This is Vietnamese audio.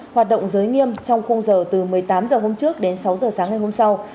hoạt động giới nghiêm trong khung giờ từ một mươi tám h hôm trước đến sáu h sáng ngày hôm sau